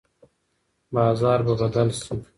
بازار به بدل شي.